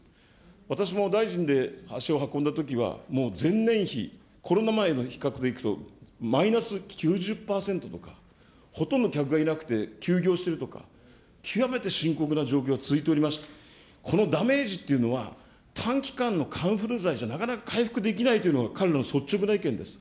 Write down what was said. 私も大臣で足を運んだときは、もう前年比、コロナ前の比較でいくと、マイナス９０％とか、ほとんど客がいなくて休業してるとか、極めて深刻な状況が続いておりまして、このダメージというのは、短期間のカンフル剤じゃ、なかなか回復できないというのが彼らの率直な意見です。